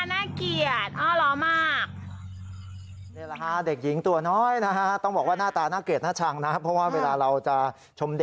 มีฉันชื่อนามสกุลเขียนบนนี้ก็ได้เนี่ย